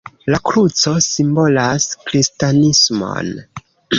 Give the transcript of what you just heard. La kruco simbolas kristanismon.